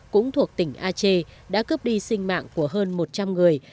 cũng thuộc tỉnh ache đã cướp đi sinh mạng của hơn một trăm linh người